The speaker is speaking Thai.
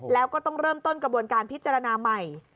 แล้วก็ต้องเริ่มต้นกระบวนการพิจารณาใหม่